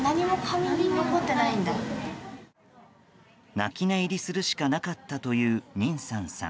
泣き寝入りするしかなかったという、ニンサンさん。